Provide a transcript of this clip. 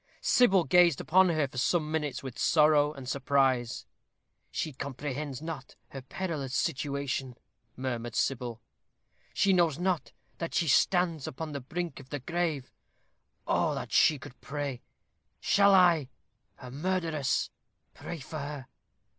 Sybil gazed upon her for some minutes with sorrow and surprise. "She comprehends not her perilous situation," murmured Sybil. "She knows not that she stands upon the brink of the grave. Oh! would that she could pray. Shall I, her murderess, pray for her?